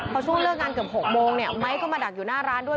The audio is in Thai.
พอช่วงเลิกงานเกือบ๖โมงเนี่ยไม้ก็มาดักอยู่หน้าร้านด้วย